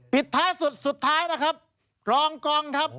ปิดท้ายสุดนะครับรองกองครับ